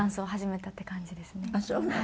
ああそうなの。